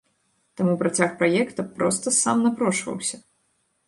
Таму працяг праекта проста сам напрошваўся.